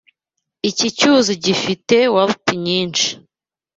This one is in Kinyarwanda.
Iki cyuzi gifite karp nyinshi.